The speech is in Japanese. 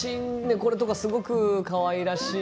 これなんかすごくかわいらしい。